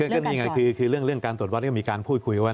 ก็นี่ไงคือเรื่องการตรวจวัดก็มีการพูดคุยกันว่า